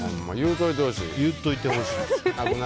ほんま言っといてほしい。